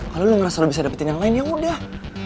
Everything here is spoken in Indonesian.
kalo lo ngerasa lo bisa dapetin yang lain yaudah